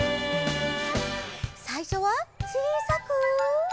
さいしょはちいさく。